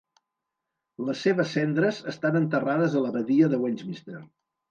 Les seves cendres estan enterrades a l'Abadia de Westminster.